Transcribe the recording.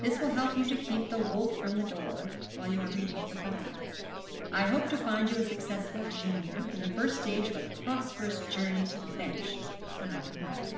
This will help you to keep the wolf from the door while you are reading for the Bar. I hope to find you a successful junior, in the first stage of a prosperous journey to the Bench, when I come back.'